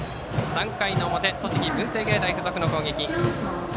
３回の表栃木・文星芸大付属の攻撃。